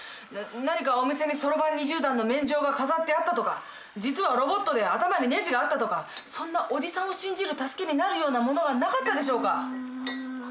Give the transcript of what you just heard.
な何かお店にそろばん２０段の免状が飾ってあったとか実はロボットで頭にネジがあったとかそんなおじさんを信じる助けになるようなものがなかったでしょうか